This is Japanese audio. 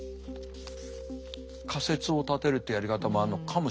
仮説を立てるってやり方もあんのかもしれません。